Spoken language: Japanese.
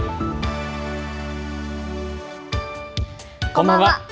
こんばんは。